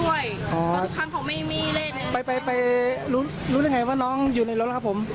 ทุกครั้งเขาไม่มีเล่นไปไปไปรู้ได้ไงว่าน้องอยู่ในรถครับผม